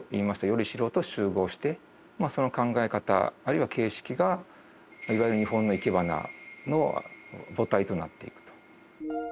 依り代と習合してその考え方あるいは形式がいわゆる日本のいけばなの母体となっていくと。